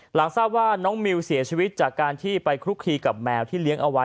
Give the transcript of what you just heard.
หลังทราบว่าน้องมิวเสียชีวิตจากการที่ไปคลุกคลีกับแมวที่เลี้ยงเอาไว้